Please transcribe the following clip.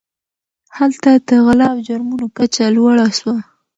هلته د غلا او جرمونو کچه لوړه سوه.